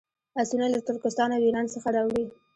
آسونه له ترکستان او ایران څخه راوړي.